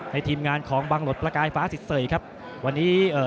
ทีมงานของบังหลดประกายฟ้าสิทเสยครับวันนี้เอ่อ